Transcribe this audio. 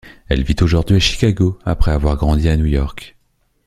Elle vit aujourd'hui à Chicago, après avoir grandi à New York.